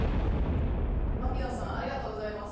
マキノさんありがとうございます。